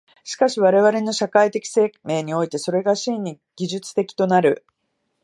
しかし我々の社会的生命において、それが真に技術的となる。